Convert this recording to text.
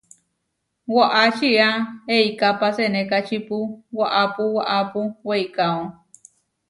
Waʼá čiá eikápa senékačipu waʼápu waʼápu weikáo.